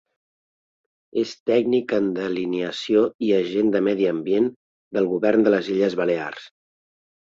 És tècnic en delineació i agent de medi ambient del Govern de les Illes Balears.